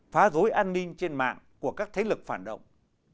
phá rối an ninh trên mạng của các thế lực phản động